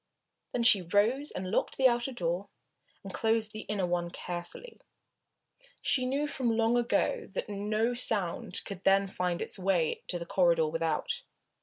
Then she rose and locked the outer door and closed the inner one carefully. She knew from long ago that no sound could then find its way to the corridor without.